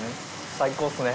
最高っすね。